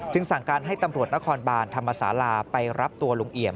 สั่งการให้ตำรวจนครบานธรรมศาลาไปรับตัวลุงเอี่ยม